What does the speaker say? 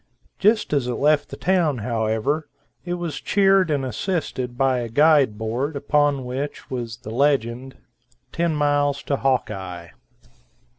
Just as it left the town, however, it was cheered and assisted by a guide board, upon which was the legend "10 Mils to Hawkeye."